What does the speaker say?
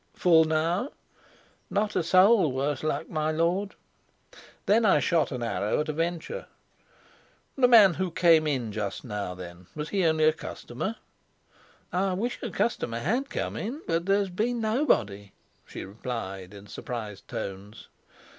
"Full now?" "Not a soul, worse luck, my lord." Then I shot an arrow at a venture. "The man who came in just now, then, was he only a customer?" "I wish a customer had come in, but there has been nobody," she replied in surprised tones.